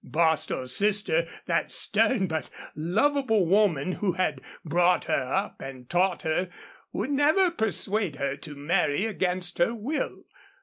Bostil's sister, that stern but lovable woman who had brought her up and taught her, would never persuade her to marry against her will.